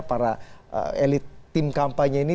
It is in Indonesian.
para elit tim kampanye ini